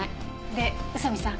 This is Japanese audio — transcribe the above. で宇佐見さん